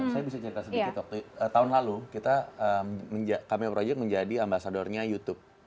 saya bisa cerita sedikit waktu tahun lalu kita kami project menjadi ambasadornya youtube